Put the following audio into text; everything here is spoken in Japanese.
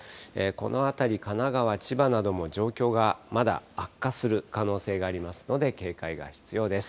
この辺り、神奈川、千葉なども状況がまだ悪化する可能性がありますので、警戒が必要です。